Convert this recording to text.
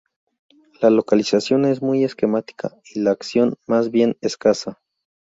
La localización es muy esquemática; y la acción, más bien escasa.